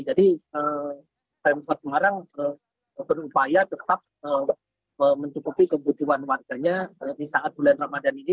jadi pmkot semarang berupaya tetap mencukupi kebutuhan warganya di saat bulan ramadhan ini